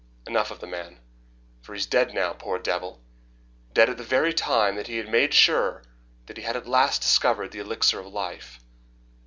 Enough of the man, for he is dead now, poor devil, dead at the very time that he had made sure that he had at last discovered the elixir of life.